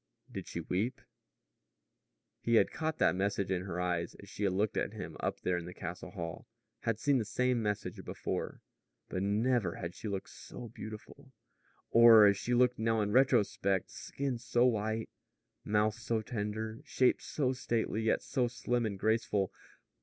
Did she weep? He had caught that message in her eyes as she had looked at him up there in the castle hall had seen the same message before. But never had she looked so beautiful or as she looked now in retrospect skin so white, mouth so tender, shape so stately, yet so slim and graceful.